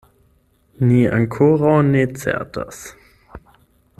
Ni ankoraŭ ne certas.